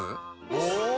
お！